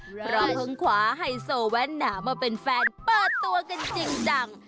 เพราะเพิ่งขวาไฮโซแว่นหนาวมาเป็นแฟนเปิดตัวกันจริงจัง